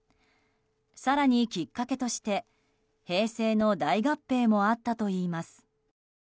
更にきっかけとして平成の大合併もあったといいます。